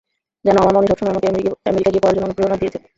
জানো, আমার মা, উনি সবসময়ই আমাকে আমেরিকা গিয়ে পড়ার জন্য অনুপ্রেরণা দিয়েছেন।